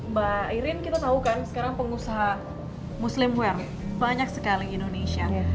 mbak irin kita tahu kan sekarang pengusaha muslimwear banyak sekali di indonesia